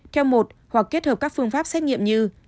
theo một hoặc kết hợp các phương pháp xét nghiệm như